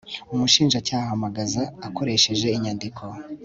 umushinjacyaha ahamagaza akoresheje inyandiko